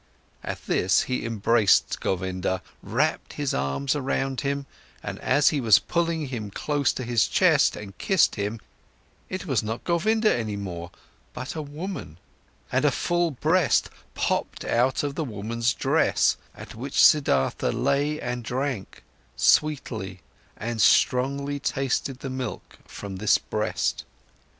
At this, he embraced Govinda, wrapped his arms around him, and as he was pulling him close to his chest and kissed him, it was not Govinda any more, but a woman, and a full breast popped out of the woman's dress, at which Siddhartha lay and drank, sweetly and strongly tasted the milk from this breast.